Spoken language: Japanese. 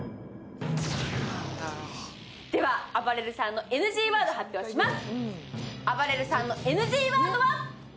ではあばれるさんのＮＧワード発表します。